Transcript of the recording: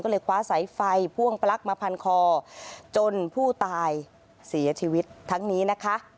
ก็เลยคว้าสายไฟพ่วงปลั๊กมาพันคอจนผู้ตายเสียชีวิตทั้งนี้นะคะ